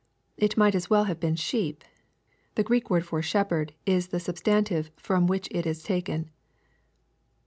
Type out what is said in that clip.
It might as well have been sheep. The Greek word for " shepherd" is the substantive from which it ia taken.